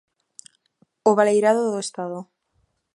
O baleirado do Estado.